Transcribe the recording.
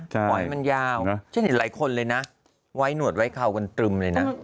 ปล่อยมันยาวฉันเห็นหลายคนเลยนะไว้หนวดไว้เข่ากันตรึมเลยนะ